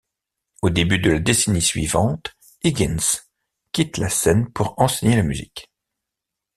Au début de la décennie suivante Higgins quitte la scène pour enseigner la musique.